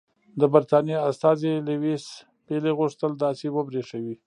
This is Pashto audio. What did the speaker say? د برټانیې استازي لیویس پیلي غوښتل داسې وبرېښوي.